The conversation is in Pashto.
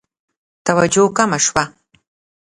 توجه کمه شوه.